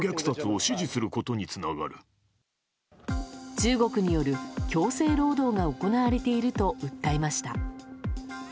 中国による強制労働が行われていると訴えました。